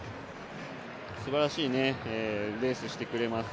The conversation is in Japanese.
すばらしいレースしてくれます。